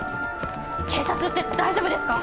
警察って大丈夫ですか？